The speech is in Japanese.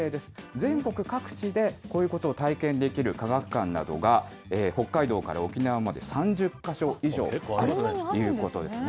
全国各地でこういうことを体験できる科学館などが、北海道から沖縄まで３０か所以上あるということですね。